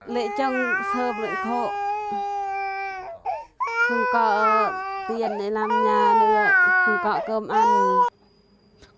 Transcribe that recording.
lấy chồng sớm lại khổ không có tiền để làm nhà nữa không có cơm ăn nữa